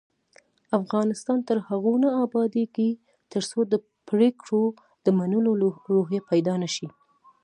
افغانستان تر هغو نه ابادیږي، ترڅو د پریکړو د منلو روحیه پیدا نشي.